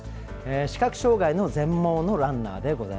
視覚障害の全盲のランナーです。